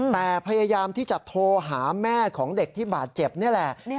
แต่พยายามที่จะโทรหาแม่ของเด็กที่บาดเจ็บนี่แหละ